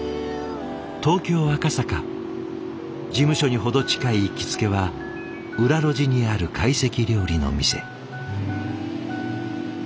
事務所に程近い行きつけは裏路地にある懐石料理の店。